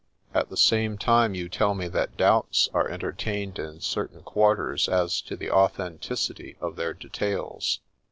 At the same time you tell me that doubts are entertained in certain quarters as to the authenticity of their details.